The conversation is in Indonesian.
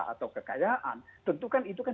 atau kekayaan tentukan itu kan